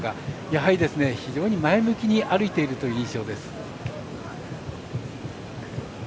やはり非常に前向きに歩いているという印象です。